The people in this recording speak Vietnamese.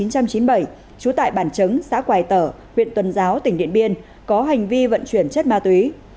trú tại bản chứng xã quài tở huyện tuần giáo tỉnh điện biên có hành vi vận chuyển chất ma túy